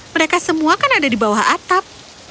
mereka semua kan ada di bawah atap